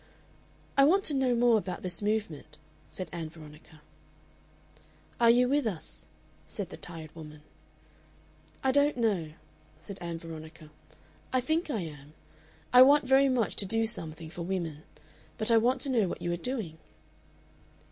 "I want to know more about this movement," said Ann Veronica. "Are you with us?" said the tired woman. "I don't know," said Ann Veronica; "I think I am. I want very much to do something for women. But I want to know what you are doing."